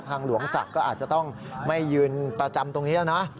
หลวงศักดิ์ก็อาจจะต้องไม่ยืนประจำตรงนี้แล้วนะ